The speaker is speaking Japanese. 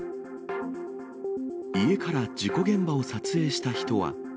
家から事故現場を撮影した人は。